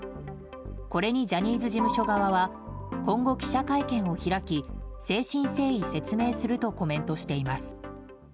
これにジャニーズ事務所側は今後、記者会見を開き誠心誠意、説明するとコメントしています。